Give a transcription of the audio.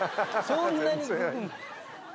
そんなに。